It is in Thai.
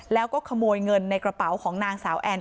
แล้วก็ขโมยเงินในกระเป๋าของนางสาวแอน